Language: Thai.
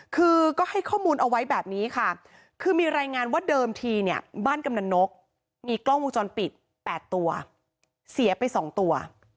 คือก็ให้ข้อมูลเอาไว้แบบนี้ค่ะคือมีรายงานว่าเดิมทีเนี่ยบ้านกำนันนกมีกล้องวงจรปิด๘ตัวเสียไป๒ตัว